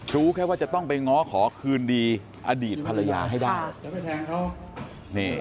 รู้แค่ว่าจะต้องไปง้อขอคืนดีอดีตภรรยาให้ได้